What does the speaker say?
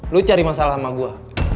lu cari masalah sama gue